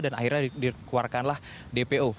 dan akhirnya dikeluarkanlah dpo